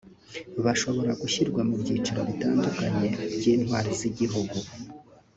bashobora gushyirwa mu byiciro bitandukanye by’intwari z’igihugu